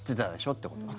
ってことか。